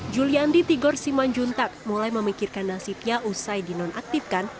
julianti tigor simanjuntak mulai memikirkan nasibnya usai dinonaktifkan